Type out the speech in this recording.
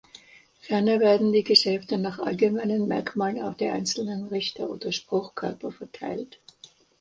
Ferner werden die Geschäfte nach allgemeinen Merkmalen auf die einzelnen Richter oder Spruchkörper verteilt.